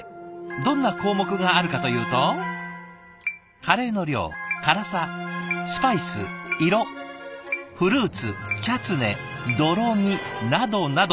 どんな項目があるかというと「カレーの量」「辛さ」「スパイス」「色」「フルーツ」「チャツネ」「ドロ味」などなど。